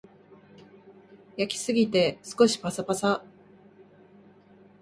焼きすぎて少しパサパサ